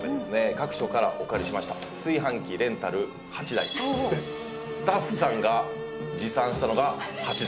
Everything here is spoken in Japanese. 各所からお借りしました炊飯器レンタル８台スタッフさんが持参したのが８台。